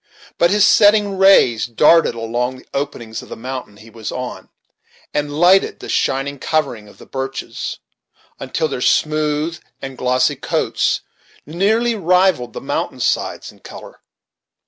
But his setting rays darted along the openings of the mountain he was on, and lighted the shining covering of the birches, until their smooth and glossy coats nearly rivalled the mountain sides in color.